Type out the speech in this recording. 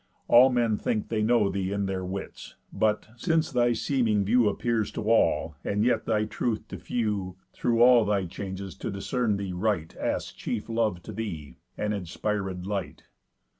All men think they know Thee in their wits; but, since thy seeming view Appears to all, and yet thy truth to few, Through all thy changes to discern thee right Asks chief love to thee, and inspiréd light.